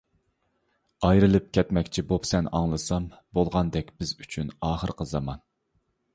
ئايرىلىپ كەتمەكچى بوپسەن ئاڭلىسام، بولغاندەك بىز ئۈچۈن ئاخىرقى زامان.